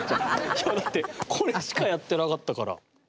いやだってこれしかやってなかったから。